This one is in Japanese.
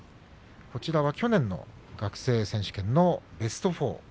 こちらは去年の学生選手権のベスト４。